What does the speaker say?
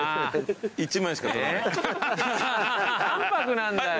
淡泊なんだよ！